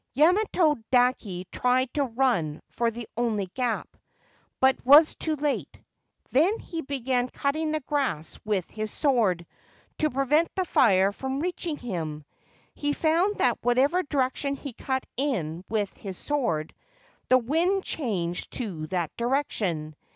Yamato dake tried to run for the only gap, but was too late. Then he began cutting the grass with his sword, to prevent the fire from reaching him. He found that whichever direction he cut in with his sword, the wind changed to that direction.